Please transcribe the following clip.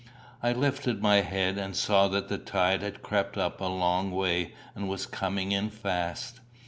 I lifted my head, and saw that the tide had crept up a long way, and was coming in fast.